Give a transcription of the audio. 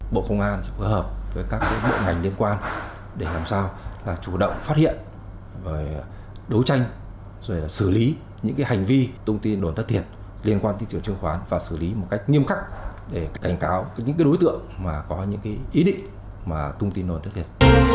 bộ công an sẽ phù hợp với các bộ ngành liên quan để làm sao là chủ động phát hiện đối tranh xử lý những hành vi thông tin đồn thất thiệt liên quan đến thị trường chứng khoán và xử lý một cách nghiêm khắc để cảnh cáo những đối tượng có những ý định thông tin đồn thất thiệt